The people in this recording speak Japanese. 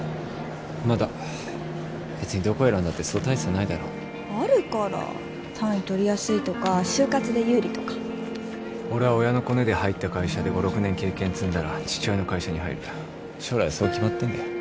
まだ別にどこ選んだってそう大差ないだろあるから単位取りやすいとか就活で有利とか俺は親のコネで入った会社で５６年経験積んだら父親の会社に入る将来そう決まってんだよ